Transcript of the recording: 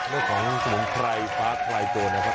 เรื่องของสมุนไพรฟ้าไพรโจนะครับ